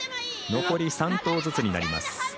残り３投ずつになります。